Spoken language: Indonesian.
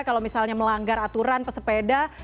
kalau misalnya melanggar aturan pesepeda